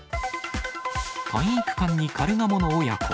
体育館にカルガモの親子。